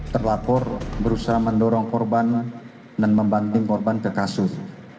terlapor berusaha mendorong korban dan membanting korban ke kasur